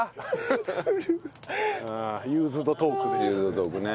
ユーズドトークでしたね。